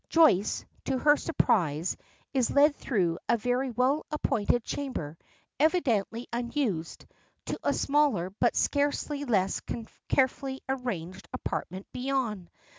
Joyce, to her surprise, is led through a very well appointed chamber, evidently unused, to a smaller but scarcely less carefully arranged apartment beyond.